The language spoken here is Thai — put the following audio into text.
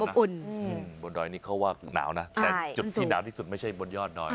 บนดอยนี่เขาว่าหนาวนะแต่จุดที่หนาวที่สุดไม่ใช่บนยอดดอย